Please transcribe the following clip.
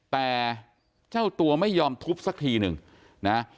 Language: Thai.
แต่เจ้าตัวไม่ยอมทุบสักทีหนึ่งนะ